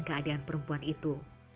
keadaan perempuan itu